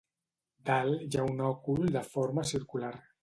Dalt hi ha un òcul de forma circular.